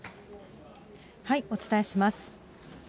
お伝えします。